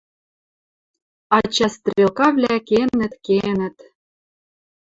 А чӓс стрелкавлӓ кенӹт, кенӹт —